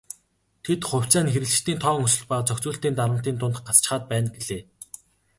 Тэд "хувьцаа нь хэрэглэгчдийн тоон өсөлт ба зохицуулалтын дарамтын дунд гацчихаад байна" гэлээ.